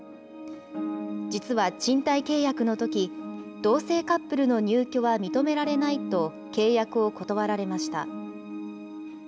実は賃貸契約のとき、同性カップルの入居は認められないと、契約を断られました。